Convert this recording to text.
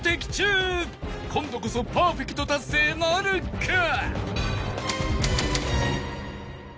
「今度こそパーフェクト達成なるか？」